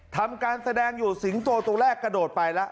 ทำการแสดงอยู่สิงโตตัวแรกกระโดดไปแล้ว